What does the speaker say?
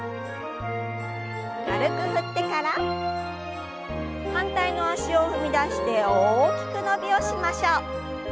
軽く振ってから反対の脚を踏み出して大きく伸びをしましょう。